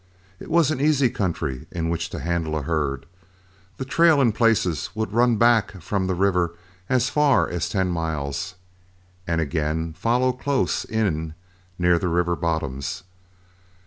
It was an easy country in which to handle a herd; the trail in places would run back from the river as far as ten miles, and again follow close in near the river bottoms.